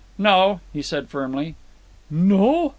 "No," he said firmly. "No!"